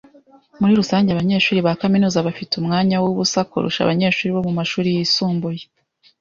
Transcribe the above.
Muri rusange, abanyeshuri ba kaminuza bafite umwanya wubusa kurusha abanyeshuri bo mumashuri yisumbuye.